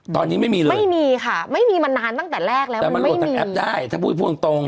ตอนนี้ไม่มีเลยแต่มันโหลดแต่แอปได้ถ้าพูดถูกตรง